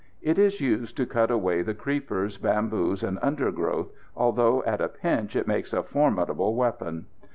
It is used to cut away the creepers, bamboos, and undergrowth, although at a pinch it makes a formidable weapon.